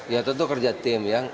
ya tentu kerja tim ya